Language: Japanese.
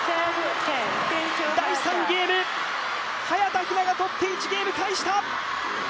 第３ゲーム、早田が取って１ゲーム返した！